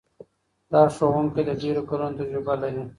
دا ښوونکی د ډېرو کلونو تجربه لري.